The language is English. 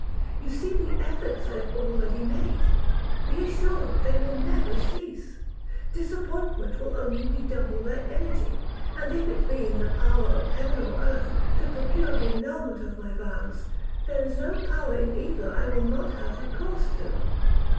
You see the efforts I have already made, be assured they will never cease. Disappointment will only redouble their energy; and if it be in the power of heaven or earth to procure the annulment of my vows, there is no power in either I will not have recourse to.'